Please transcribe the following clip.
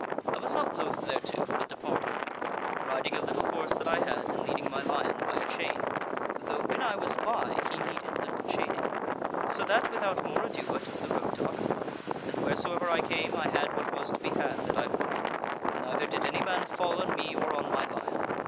I was not loth thereto, but departed, riding a little horse that I had, and leading my lion by a chain, though when I was by he needed little chaining. "So that without more ado I took the road to Utterbol, and wheresoever I came, I had what was to be had that I would; neither did any man fall on me, or on my lion.